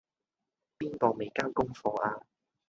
邊個未交功課呀?